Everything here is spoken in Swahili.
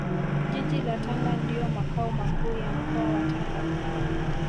Jiji la Tanga ndio Makao Makuu ya Mkoa wa Tanga